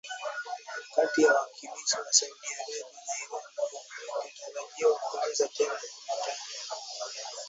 kati ya wawakilishi wa Saudi Arabia na Iran ingetarajiwa kuanza tena Jumatano